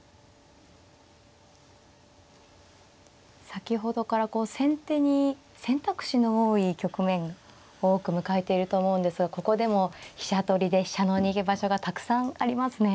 先ほどからこう先手に選択肢の多い局面多く迎えていると思うんですがここでも飛車取りで飛車の逃げ場所がたくさんありますね。